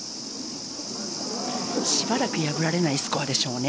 しばらく破られないスコアでしょうね。